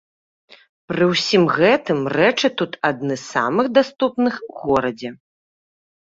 Пры ўсім гэтым рэчы тут адны з самых даступных у горадзе.